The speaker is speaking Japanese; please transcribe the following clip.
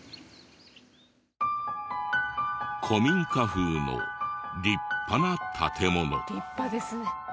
古民家風の立派な建物。